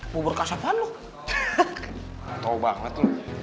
bubur kasapan tahu banget